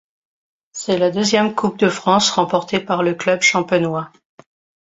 C'est la deuxième Coupe de France remportée par le club champenois.